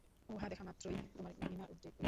উহা দেখা মাত্রই তোমার ঘৃণার উদ্রেক হইবে।